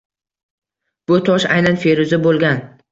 Bu tosh aynan feruza bo‘lgan.